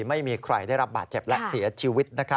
ไม่มีใครได้รับบาดเจ็บและเสียชีวิต